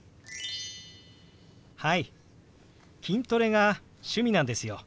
はい筋トレが趣味なんですよ。